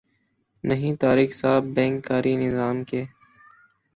نہیں طارق صاحب بینک کاری نظام کے